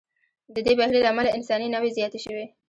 د دې بهیر له امله انساني نوعې زیاتې شوې.